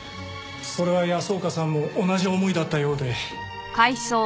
それは安岡さんも同じ思いだったようで。